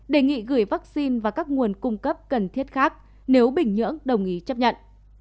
đề nghị gửi vaccine và các nguồn cung cấp cần thiết khác nếu bình nhưỡng đồng ý chấp nhận